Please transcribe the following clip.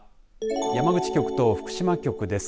山口局と福島局です。